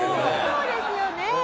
そうですよね。